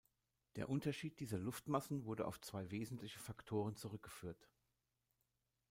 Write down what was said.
Der Unterschied dieser Luftmassen wurde auf zwei wesentliche Faktoren zurückgeführt.